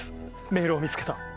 メールを見つけた。